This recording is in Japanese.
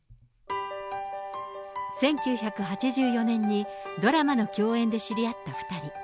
１９８４年にドラマの共演で知り合った２人。